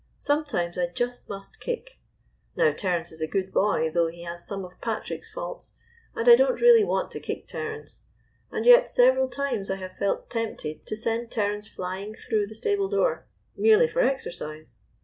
Sometimes I just must kick . Now, Terence is a good boy, though he has some of Patrick's faults, and I don't really want to kick Terence. And yet several times I have felt tempted to send Terence flying through the stable door, merely for exercise.